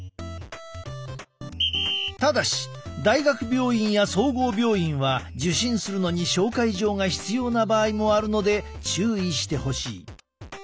ただし大学病院や総合病院は受診するのに紹介状が必要な場合もあるので注意してほしい。